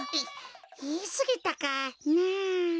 いいいすぎたかな。